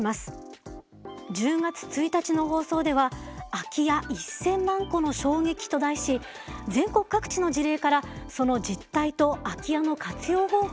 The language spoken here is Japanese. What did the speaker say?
１０月１日の放送では「空き家１０００万戸の衝撃」と題し全国各地の事例からその実態と空き家の活用方法をお伝えします。